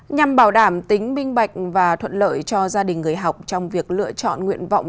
nhằm bảo đảm tính minh bạch và thuận lợi cho gia đình người học trong việc lựa chọn nguyện vọng